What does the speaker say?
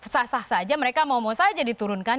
sah sah saja mereka mau mau saja diturunkan